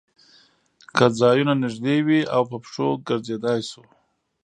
که ځایونه نږدې وي او په پښو ګرځېدای شو.